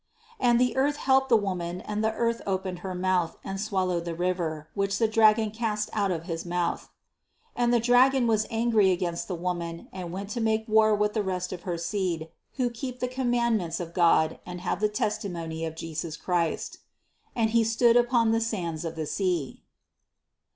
16. And the earth helped the woman and the earth opened her mouth and swallowed the river, which the dragon cast out of his mouth. 17. And the dragon was angry against the woman and went to make war with the rest of her seed, who THE CONCEPTION 95 keep the commandments of God, and have the testi mony of Jesus Christ. 18. And he stood upon the sands of the sea."